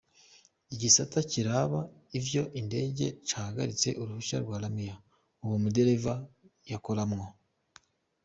Igisata kiraba ivyo indege cahagaritse uruhusha rwa LaMia, uwo muderava yakoramwo.